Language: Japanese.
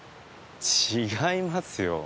違いますよ。